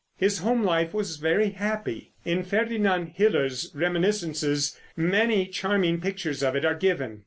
His home life was very happy. In Ferdinand Hiller's reminiscences many charming pictures of it are given.